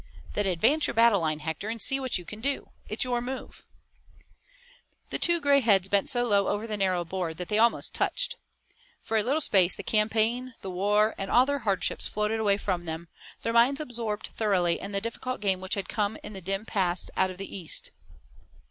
"Then advance your battle line, Hector, and see what you can do. It's your move." The two gray heads bent so low over the narrow board that they almost touched. For a little space the campaign, the war, and all their hardships floated away from them, their minds absorbed thoroughly in the difficult game which had come in the dim past out of the East.